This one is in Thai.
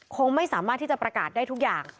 คงไม่สามารถที่จะประกาศได้ทุกอย่าง